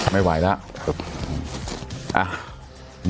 ไม่ไหวแล้ว